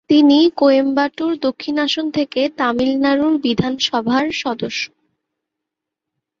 তিনি কোয়েম্বাটুর দক্ষিণ আসন থেকে তামিলনাড়ু বিধানসভার সদস্য।